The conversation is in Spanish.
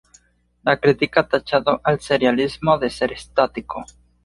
La crítica ha tachado al serialismo de ser estático.